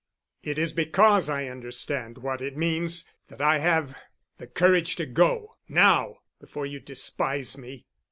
"It is because I understand what it means that I have—the courage to go—now—before you despise me."